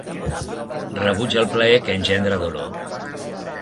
Rebutja el plaer que engendra dolor.